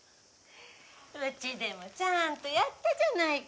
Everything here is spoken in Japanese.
うちでもちゃーんとやったじゃないか。